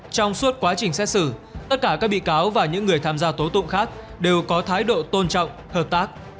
trong suốt quá trình xét xử tất cả các bị cáo và những người tham gia tố tụng khác đều có thái độ tôn trọng hợp tác